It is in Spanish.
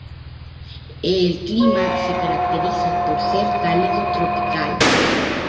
El clima se caracteriza por ser cálido tropical.